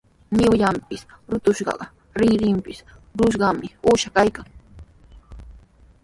Millwanpis rutushqa, rinrinpis ruqushqami uusha kaykan.